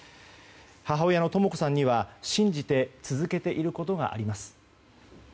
母親のとも子さんには信じて続けていることがあります。